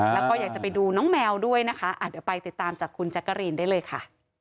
แล้วก็อยากจะไปดูน้องแมวด้วยนะคะเดี๋ยวไปติดตามจากคุณแจ๊กกะรีนได้เลยค่ะ